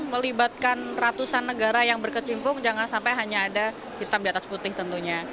melibatkan ratusan negara yang berkecimpung jangan sampai hanya ada hitam di atas putih tentunya